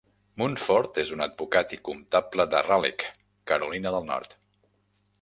Munford és un advocat i comptable de Raleigh, Carolina de Nord.